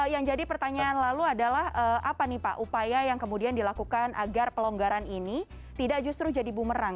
yang jadi pertanyaan lalu adalah apa nih pak upaya yang kemudian dilakukan agar pelonggaran ini tidak justru jadi bumerang